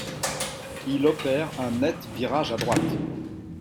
Il opère un net virage à droite.